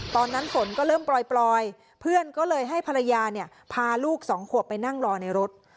ตอนนั้นฝนก็เริ่มปล่อยเพื่อนก็เลยให้ภรรยาเนี่ยพาลูกสองขวบไปนั่งรอในรถ